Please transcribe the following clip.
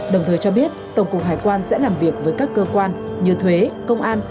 đồng thời cho biết tổng cục hải quan sẽ làm việc với các cơ quan như thuế công an